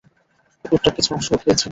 কুকুরটার কিছু অংশও খেয়েছে।